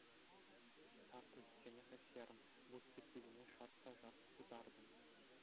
Тар тухичченех ӗҫлерӗм, вут сыпписене шарт та шарт тутартӑм.